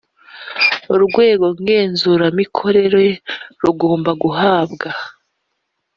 urwego ngenzuramikorere rugomba guhabwa